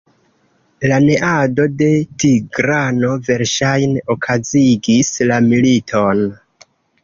La neado de Tigrano verŝajne okazigis la militon.